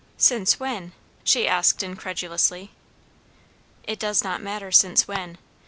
"Since when?" she asked incredulously. "It does not matter since when.